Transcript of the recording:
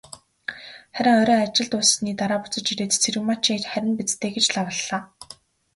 Харин орой ажил дууссаны дараа буцаж ирээд, "Цэрэгмаа чи харина биз дээ" гэж лавлалаа.